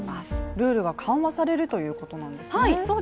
ルールが緩和されるということなんですね。